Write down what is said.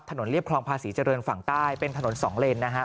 เรียบคลองภาษีเจริญฝั่งใต้เป็นถนนสองเลนนะฮะ